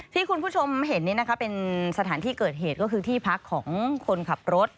ที่คุณผู้ชมเห็นเป็นสถานที่เกิดเหตุก็คือที่พักของคนขับรถ